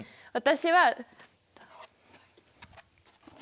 私は。